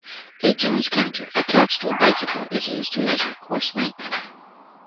A Jones Counter attached to a bicycle is used to measure course length.